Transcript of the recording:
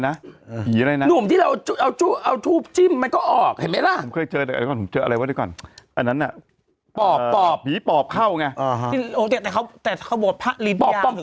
อะไรนะหนูที่เราอยู่เอาชูเอาทูบจิมไม่ก็ออกเห็นไหมอ่ะเอาออกเลยเจ้าหนึ่งเจ๊อะไรว่ะด้วยต่อนนั้นเราก็ไป